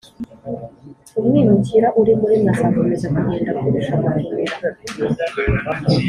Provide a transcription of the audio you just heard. Umwimukira uri muri mwe azakomeza kugenda akurusha gukomera,